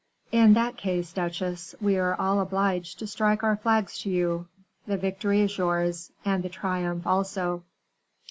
"In that case, duchesse, we are all obliged to strike our flags to you. The victory is yours, and the triumph also.